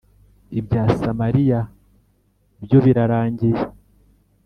Ibya Samariya byo birarangiye: